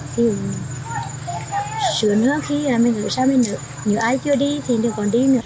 thì sửa nước khi mình ở xa mình nữa nếu ai chưa đi thì đừng còn đi nữa